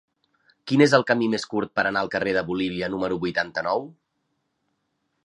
Quin és el camí més curt per anar al carrer de Bolívia número vuitanta-nou?